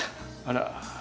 あら。